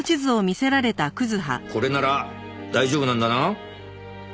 これなら大丈夫なんだな？